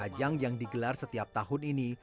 ajang yang digelar setiap tahun ini